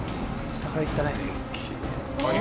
下からいったね。